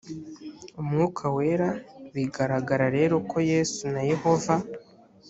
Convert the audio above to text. umwuka wera biragaragara rero ko yesu na yehova